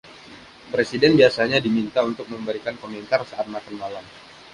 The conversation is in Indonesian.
Presiden biasanya diminta untuk memberikan komentar saat makan malam.